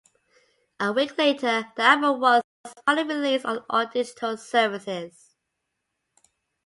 A week later, the album was finally released on all digital services.